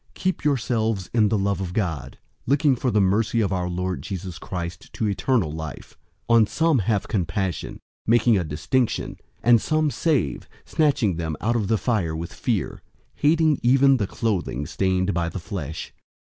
001:021 Keep yourselves in the love of God, looking for the mercy of our Lord Jesus Christ to eternal life. 001:022 On some have compassion, making a distinction, 001:023 and some save, snatching them out of the fire with fear, hating even the clothing stained by the flesh.